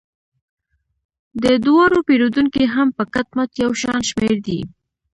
د دواړو پیرودونکي هم په کټ مټ یو شان شمیر دي.